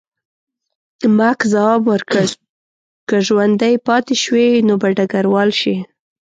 مک ځواب ورکړ، که ژوندی پاتې شوې نو به ډګروال شې.